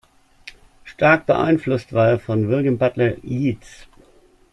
Stark beeinflusst war er von William Butler Yeats.